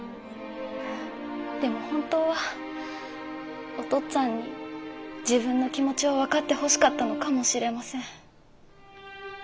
でも本当はお父っつぁんに自分の気持ちを分かってほしかったのかもしれません。